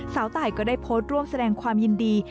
ตายก็ได้โพสต์ร่วมแสดงความยินดี